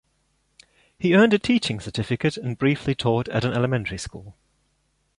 He earned a teaching certificate and briefly taught at an elementary school.